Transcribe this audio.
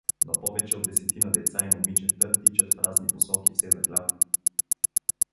Но повече от десетина деца и момичета тичат в разни посоки все за хляб.